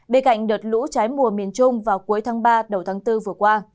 bên cạnh đợt lũ trái mùa miền trung vào cuối tháng ba đầu tháng bốn vừa qua